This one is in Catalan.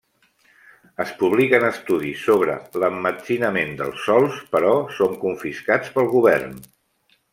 Es publiquen estudis sobre l'emmetzinament dels sòls, però són confiscats pel govern.